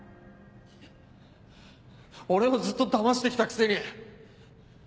俺をずっとだまして来たくせに。